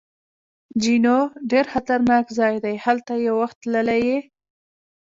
جینو: ډېر خطرناک ځای دی، هلته یو وخت تللی یې؟